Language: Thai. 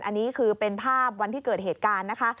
อันนี้คือเป็นภาพวันที่เกิดเหตุการณ์นะคะ